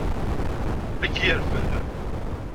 Ad k-yerfed.